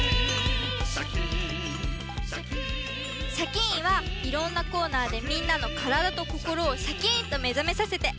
「シャキーン！」はいろんなコーナーでみんなのからだとこころをシャキーンとめざめさせて。